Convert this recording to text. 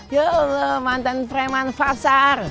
ya allah mantan freman fasar